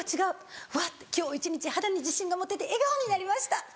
うわ今日一日肌に自信が持てて笑顔になりました」。